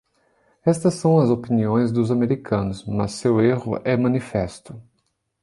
Estas são as opiniões dos americanos; mas seu erro é manifesto.